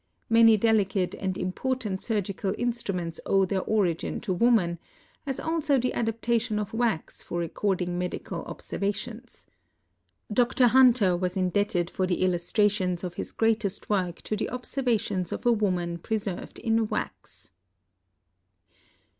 Many delicate and important surgical instruments owe their origin to woman, as also the adaptation of wax for recording medical observations Dr. Hunter was indebted for the illustrations of his greatest work to the observations of a woman preserved in wax.